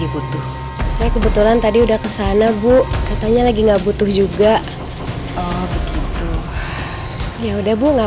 butuh saya kebetulan tadi udah kesana bu katanya lagi nggak butuh juga begitu ya udah bu nggak